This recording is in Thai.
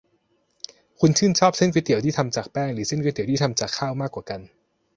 คุณชื่นชอบเส้นก๋วยเตี๋ยวที่ทำจากแป้งหรือเส้นก๋วยเตี๋ยวที่ทำจากข้าวมากกว่ากัน ?